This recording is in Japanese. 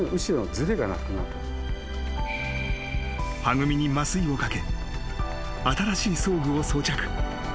ぐみに麻酔をかけ新しい装具を装着］